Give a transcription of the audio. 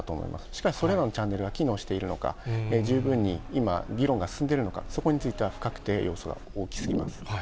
しかし、それらのチャンネルが機能しているのか、十分に今、議論が進んでいるのか、そこについては不確定要素が大きすぎます。